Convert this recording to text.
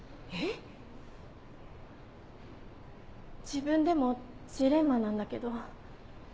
自分でもジレンマなんだけど。